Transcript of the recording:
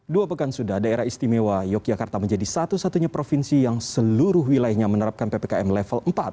dua pekan sudah daerah istimewa yogyakarta menjadi satu satunya provinsi yang seluruh wilayahnya menerapkan ppkm level empat